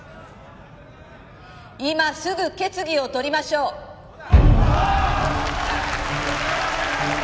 今すぐ決議を採りましょうそうだ！